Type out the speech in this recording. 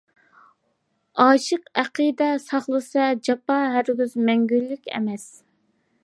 ئاشىق ئەقىدە ساقلىسا، جاپا ھەرگىز مەڭگۈلۈك ئەمەس.